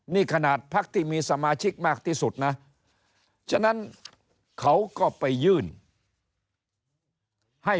นี่ขนาดพักที่มีสมาชิกมากที่สุดนะฉะนั้นเขาก็ไปยื่นให้